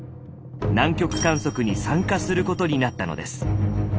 南極観測に参加することになったのです。